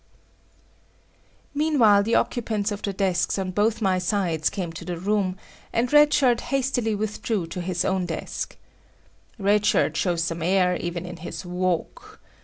Meanwhile the occupants of the desks on both my sides came to the room, and Red Shirt hastily withdrew to his own desk. Red Shirt shows some air even in his walk.